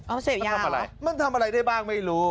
เอาเสร็จยาเหรอมันทำอะไรได้บ้างไม่รู้